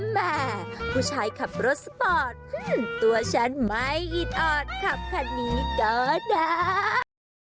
แหมผู้ชายขับรถสปอร์ตตัวฉันไม่อิดออดขับคันนี้ก็ได้